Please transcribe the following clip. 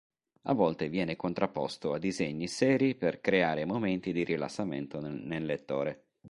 A volte viene contrapposto a disegni seri per creare momenti di rilassamento nel lettore.